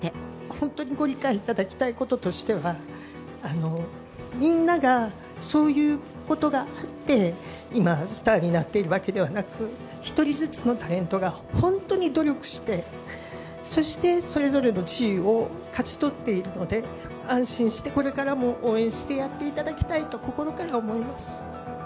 本当にご理解いただきたいこととしては、みんながそういうことがあって、今、スターになっているわけではなく、１人ずつのタレントが本当に努力して、そしてそれぞれの地位を勝ち取っているので、安心して、これからも応援してやっていただきたいと心から思います。